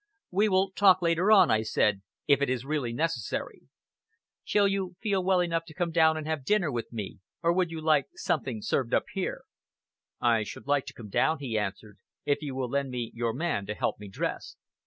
"We will talk later on," I said, "if it is really necessary. Shall you feel well enough to come down and have dinner with me, or would you like something served up here?" "I should like to come down," he answered, "if you will lend me your man to help me dress."